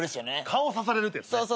顔さされるってやつね。